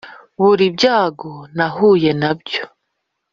buri byago nahuye nabyo.